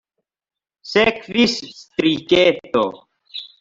Sekvis striketo.